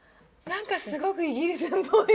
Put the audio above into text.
何かすごくイギリスっぽい。